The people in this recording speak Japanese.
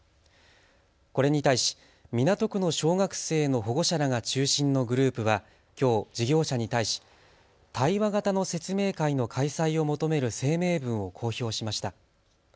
これに対し港区の小学生の保護者らが中心のグループはきょう事業者に対し対話型の説明会の開催を求める声明文を公表しました。